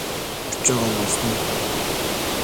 Hoşça kal dostum.